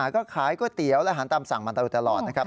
ก็ขายก๋วยเตี๋ยวและอาหารตามสั่งมาตลอดนะครับ